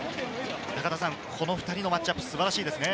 この２人のマッチアップ、素晴らしいですね。